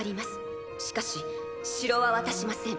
しかし城は渡しません。